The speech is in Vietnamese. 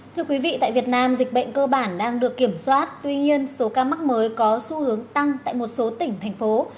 thưa quý vị tại việt nam dịch bệnh cơ bản đang được kiểm soát tuy nhiên số ca mắc mới có xu hướng tăng tại một số tỉnh thành phố